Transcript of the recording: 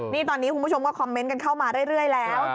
นี่ตอนนี้คุณผู้ชมก็คอมเมนต์กันเข้ามาเรื่อยแล้ว